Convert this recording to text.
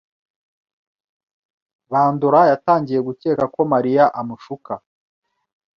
Bandora yatangiye gukeka ko Mariya amushuka.